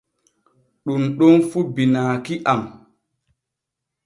Ɗun ɗon fu binaaki am.